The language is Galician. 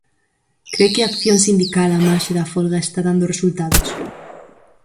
Cre que a acción sindical, á marxe da folga, está dando resultados?